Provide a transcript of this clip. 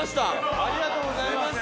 ありがとうございます。